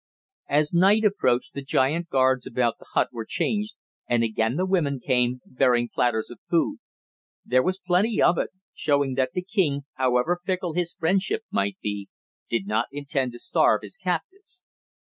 As night approached the giant guards about the hut were changed, and again the women came, bearing platters of food. There was plenty of it, showing that the king, however fickle his friendship might be, did not intend to starve his captives.